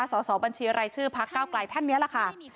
ส่อบัญชีอะไรชื่อพรรคเก้ากลายท่านเนี้ยล่ะค่ะ